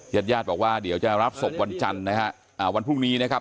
ญาติญาติบอกว่าเดี๋ยวจะรับศพวันจันทร์นะฮะวันพรุ่งนี้นะครับท่านผู้ชมครับ